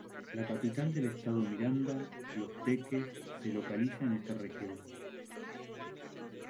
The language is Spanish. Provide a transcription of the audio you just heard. La capital del estado Miranda, Los Teques, se localiza en esta región.